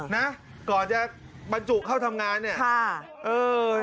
นะก่อนจะบรรจุเข้าทำงานเนี่ย